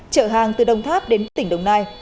trở hàng từ đồng tháp đến tỉnh đồng nai